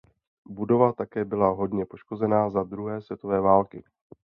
Budova také byla hodně poškozena za druhé světové války.